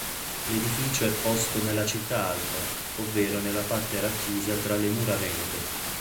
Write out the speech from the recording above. L'edificio è posto nella città alta, ovvero nella parte racchiusa tra le mura venete.